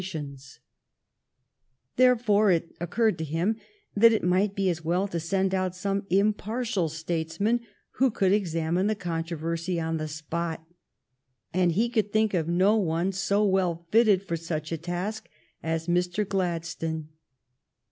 THE IONIAN ISLANDS 203 Therefore it occurred to him that it might be as well to send out some impartial statesman who could examine the controversy on the spot; and he could think of no one so well fitted for such a task as Mr. Gladstone.